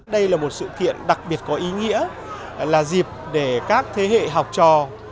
đây là một sự kiện đặc biệt có ý nghĩa là dịp để các thế hệ học trò